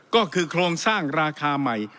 ก็คือโครงสร้างราคาใหม่